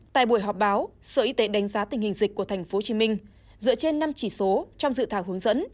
tại buổi họp báo sở y tế đánh giá tình hình dịch của tp hcm dựa trên năm chỉ số trong dự thảo hướng dẫn